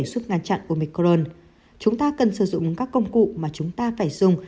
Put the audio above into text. giúp ngăn chặn oicron chúng ta cần sử dụng các công cụ mà chúng ta phải dùng